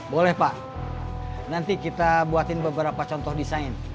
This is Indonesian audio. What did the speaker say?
boleh pak nanti kita buatin beberapa contoh desain